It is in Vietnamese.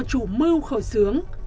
chủ mưu khổ sướng